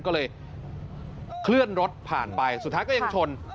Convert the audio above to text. ก็เลยเคลื่อนรถผ่านไปสุดท้ายก็ยังชน